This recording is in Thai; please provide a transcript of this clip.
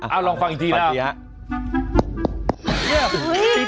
เอ้าลองฟังอีกทีนะ